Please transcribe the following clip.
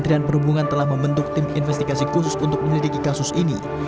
kementerian perhubungan telah membentuk tim investigasi khusus untuk menyelidiki kasus ini